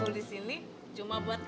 aku di sini cuma buat kamu